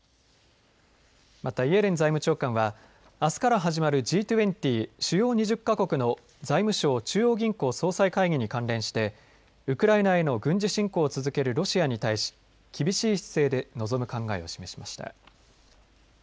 また、イエレン財務長官はあすから始まるＧ２０、主要２０か国の財務相・中央銀行総裁会議に関連してウクライナへの軍事進攻を続けるロシアに対し厳しい姿勢で臨む考えを示しました。